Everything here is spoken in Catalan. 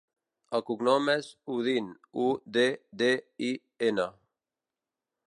El cognom és Uddin: u, de, de, i, ena.